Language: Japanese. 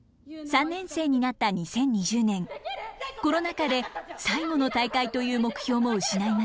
３年生になった２０２０年コロナ禍で最後の大会という目標も失いました。